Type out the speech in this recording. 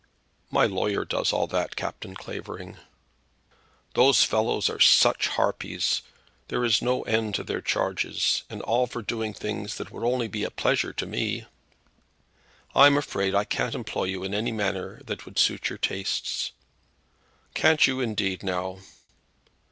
"My lawyer does all that, Captain Clavering." "Those fellows are such harpies. There is no end to their charges; and all for doing things that would only be a pleasure to me." "I'm afraid I can't employ you in any matter that would suit your tastes." "Can't you indeed, now?"